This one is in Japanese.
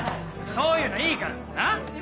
そういうのいいからなっ。